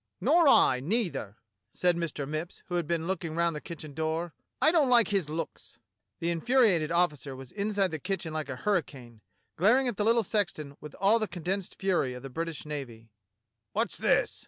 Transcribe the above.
"Nor I, neither," said Mr. Mipps, who had been looking round the kitchen door. "I don't like his looks." The infuriated officer was inside the kitchen like a hurricane, glaring at the little sexton with all the con densed fury of the British navy. "What's this.